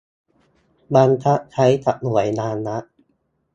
บังคับใช้กับหน่วยงานรัฐ